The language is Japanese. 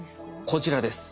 こちらです。